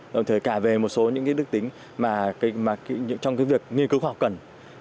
có thể cả về một số những cái đức tính mà trong cái việc nghiên cứu khoa học cần